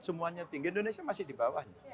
semuanya tinggi indonesia masih di bawahnya